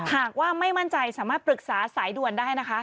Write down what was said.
หากว่าไม่มั่นใจสามารถปรึกษาสายด่วนได้นะคะ